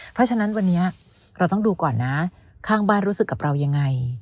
เพราะฉะนั้นวันนี้เราต้องดูก่อนนะข้างบ้านรู้สึกกับเรายังไง